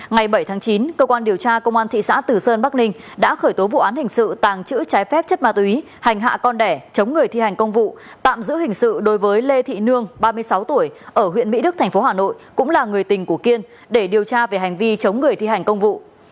ngày bảy tháng chín cơ quan điều tra công an thị xã tử sơn bắc ninh đã khởi tố vụ án hình sự tàng trữ trái phép chất ma túy hành hạ con đẻ chống người thi hành công vụ tạm giữ hình sự đối với lê thị nương ba mươi sáu tuổi ở huyện mỹ đức thành phố hà nội cũng là người tình của kiên để điều tra về hành vi chống người thi hành công vụ